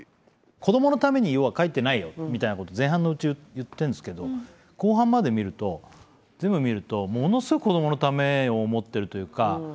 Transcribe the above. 「子供のために要は描いてないよ」みたいなこと前半のうち言ってるんですけど後半まで見ると全部見るとものすごく子供のためを思ってるというか。